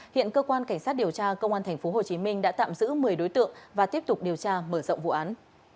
hiện cơ quan cảnh sát điều tra công an tp hcm đã tạm giữ một mươi đối tượng và tiếp tục điều tra mở rộng vụ án